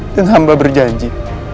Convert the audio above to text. dan hamba berjanji